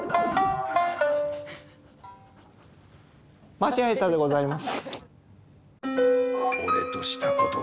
間違えたでございます。